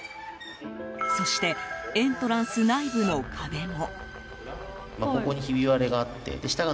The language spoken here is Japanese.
そしてエントランス内部の壁も。